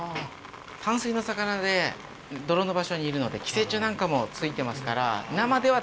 淡水の魚で泥の場所にいるので寄生虫なんかも付いてますから。